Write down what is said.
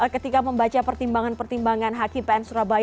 ketika membaca pertimbangan pertimbangan hakim pn surabaya